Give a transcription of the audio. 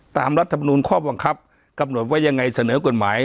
ตามรัฐบุรณศ์ข้อบังคับกับโดยว่ายังไงเสนอกฝั่งกฎหมาย